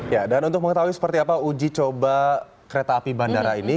ya dan untuk mengetahui seperti apa uji coba kereta api bandara ini